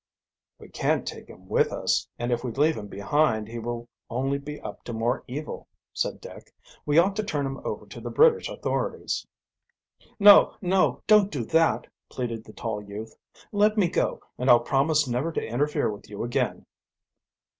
"We can't take him with us, and if we leave him behind he will only be up to more evil," said Dick. "We ought to turn him over to the British authorities." "No, no, don't do that," pleaded the tall youth. "Let me go and I'll promise never to interfere with you again."